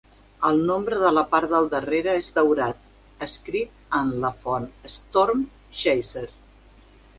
El nombre de la part del darrere és daurat, escrit amb la font Storm Chaser.